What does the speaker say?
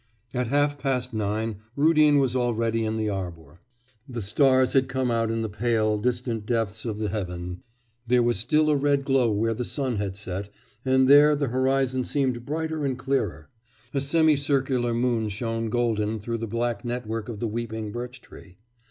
At half past nine Rudin was already in the arbour. The stars had come out in the pale, distant depths of the heaven; there was still a red glow where the sun had set, and there the horizon seemed brighter and clearer; a semi circular moon shone golden through the black network of the weeping birch tree.